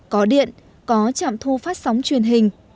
có điện có trạm thu phát sóng truyền hình